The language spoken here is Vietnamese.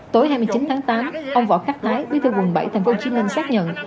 tối hai mươi chín tháng tám ông võ khắc thái bí thư quận bảy tp hcm xác nhận